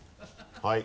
はい。